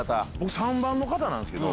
３番の方なんすけど。